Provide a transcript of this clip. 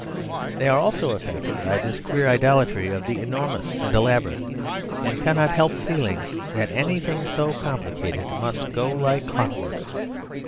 They are also affected by this queer idolatry of the enormous and elaborate; and cannot help feeling that anything so complicated must go like clockwork.